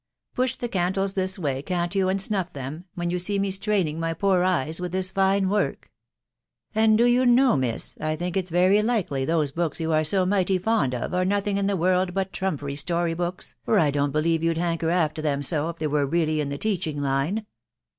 Push the candles this way, can't you, and snuff them, when you see me straining my poor eyes with this fine work .... And do you know, miss, I think it's very likely those books you are so mighty fond of are nothing in the world but trum pery story books, for I don't believe you'd hanker after them so, if they were really in the teaching line.